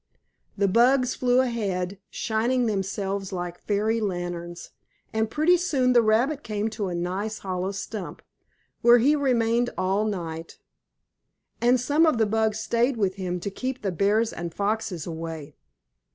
The bugs flew ahead, shining themselves like fairy lanterns, and pretty soon the rabbit came to a nice hollow stump, where he remained all night. And some of the bugs stayed with him to keep the bears and foxes away.